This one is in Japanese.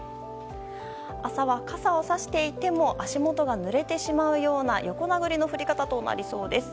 朝は傘をさしていても足元がぬれてしまうような横殴りの降り方となりそうです。